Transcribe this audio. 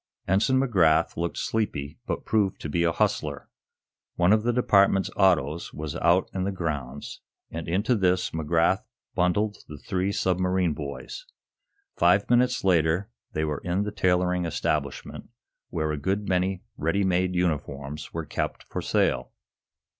Ensign McGrath looked sleepy, but proved to be a hustler. One of the Department's autos was out in the grounds, and into this McGrath bundled the three submarine boys. Five minutes later they were in the tailoring establishment, where a good many ready made uniforms were kept for sale.